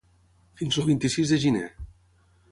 Fins el vint-i-sis de gener.